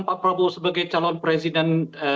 pak prabowo sebagai calon presiden